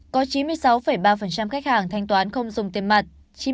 có chín mươi sáu ba khách hàng thanh toán không dùng tiền mặt